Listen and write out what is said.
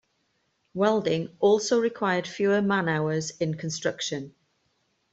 Welding also required fewer man-hours in construction.